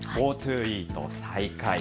ＧｏＴｏイート再開。